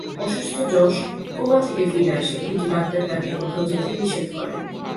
অসুস্থ যশ কোমা থেকে ফিরে আসে কিন্তু ডাক্তার তাকে কোথাও যেতে নিষেধ করে।